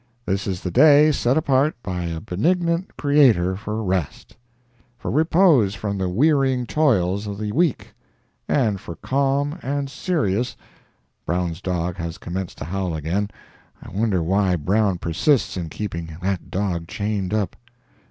This is the day set apart by a benignant Creator for rest—for repose from the wearying toils of the week, and for calm and serious (Brown's dog has commenced to howl again—I wonder why Brown persists in keeping that dog chained up?)